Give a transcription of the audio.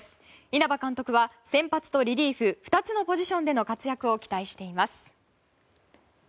稲葉監督は、先発とリリーフ２つのポジションでの活躍を期待しています。